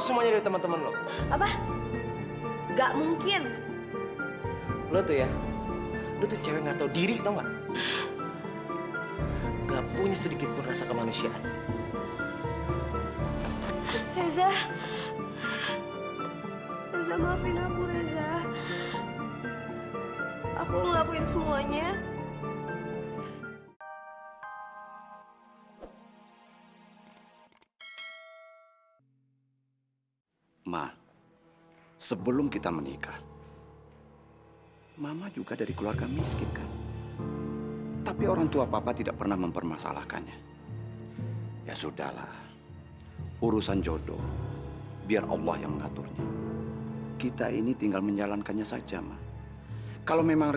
sampai jumpa di video selanjutnya